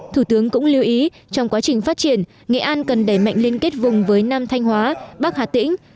thủ tướng cũng lưu ý trong quá trình phát triển nghệ an cần đẩy mạnh liên kết vùng với nam thanh hóa bắc hà tĩnh